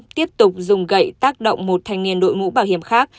tiếp tục dùng gậy tác động một thanh niên đội mũ bảo hiểm khác